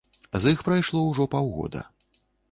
З іх прайшло ўжо паўгода.